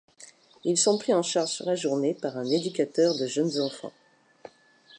Ils sont pris en charge sur la journée par un éducateur de jeunes enfants.